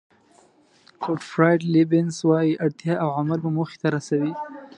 ګوټفراید لیبنېز وایي اړتیا او عمل مو موخې ته رسوي.